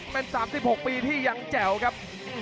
เป็น๓๖ปีที่ยังแจ๋วครับ